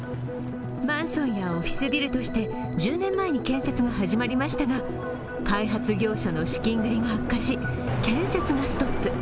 マンションやオフィスビルとして１０年前に建設が始まりましたが、開発業者の資金繰りが悪化し建設がストップ。